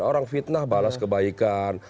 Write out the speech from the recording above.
orang fitnah balas kebaikan